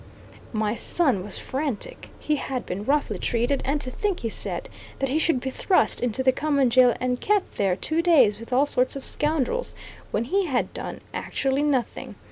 My son was frantic; he had been roughly treated; and to think, he said, that he should be thrust into the common jail and kept there two days with all sorts of scoundrels, when he had done actually nothing!